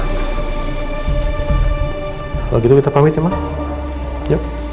kalau gitu kita pamit ya ma yuk